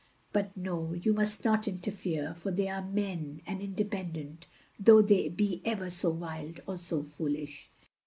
But no, you must not interfere, for they are men, and independent, though they be ever so wild or so foolish.